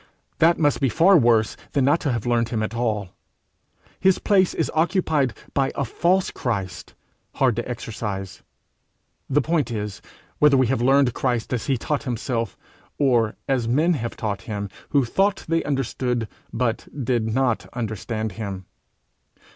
That must be far worse than not to have learned him at all: his place is occupied by a false Christ, hard to exorcise! The point is, whether we have learned Christ as he taught himself, or as men have taught him who thought they understood, but did not understand him.